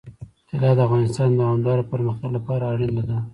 طلا د افغانستان د دوامداره پرمختګ لپاره اړین دي.